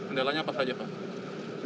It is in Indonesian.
kendalanya apa saja pak